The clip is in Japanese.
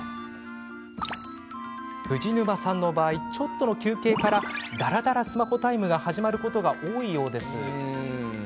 藤沼さんの場合ちょっとの休憩から、だらだらスマホタイムが始まることが多いようです。